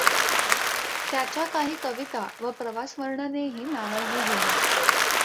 त्याच्या काही कविता व प्रवासवर्णनेही नावाजली गेली.